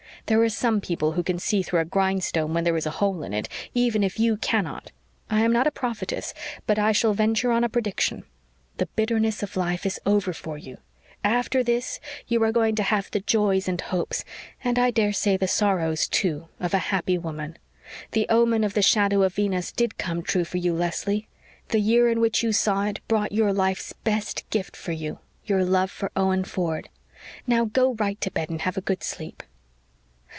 There are some people who can see through a grindstone when there is a hole in it, even if you cannot. I am not a prophetess, but I shall venture on a prediction. The bitterness of life is over for you. After this you are going to have the joys and hopes and I daresay the sorrows, too of a happy woman. The omen of the shadow of Venus did come true for you, Leslie. The year in which you saw it brought your life's best gift for you your love for Owen Ford. Now, go right to bed and have a good sleep."